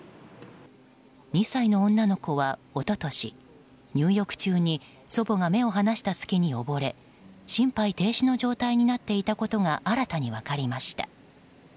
２歳の女の子は一昨年、入浴中に祖母が目を離した隙におぼれ心肺停止の状態になっていたことが新たに分かりました。